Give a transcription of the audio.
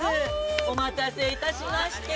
お待たせいたしまして。